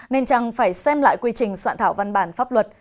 nên chăng phải xem lại quy trình soạn thảo văn bản pháp luật